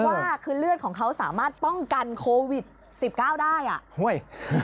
ว่าคือเลือดของเขาสามารถป้องกันโควิด๑๙ได้